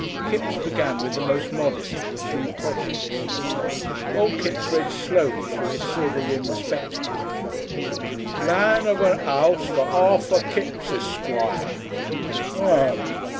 Kipps began with the most modest of the three projects. Old Kipps read slowly through his silver rimmed spectacles: "Plan of a 'ouse for Arthur Kipps Esquire Um."